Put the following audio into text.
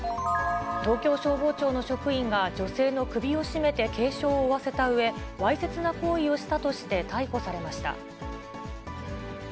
東京消防庁の職員が、女性の首を絞めて軽傷を負わせたうえ、わいせつな行為をしたとして逮捕されました。